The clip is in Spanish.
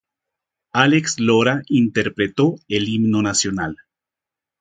Alex Lora interpretó el himno nacional.